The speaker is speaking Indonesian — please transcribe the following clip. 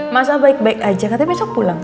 masa baik baik aja katanya besok pulang